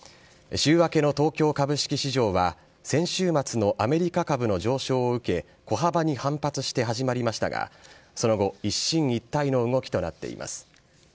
週明けの東京株式市場は、先週末のアメリカ株の上昇を受け、小幅に反発して始まりましたが、その後、一進一退の動きとなっています。